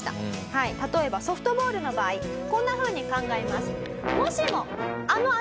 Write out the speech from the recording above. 例えばソフトボールの場合こんなふうに考えます。